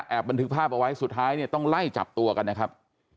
บันทึกภาพเอาไว้สุดท้ายเนี่ยต้องไล่จับตัวกันนะครับ